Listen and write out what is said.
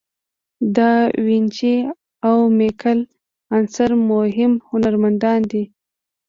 داوینچي او میکل آنژ مهم هنرمندان دي.